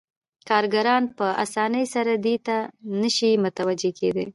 کارګران په اسانۍ سره دې ته نشي متوجه کېدای